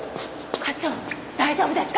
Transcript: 課長大丈夫ですか？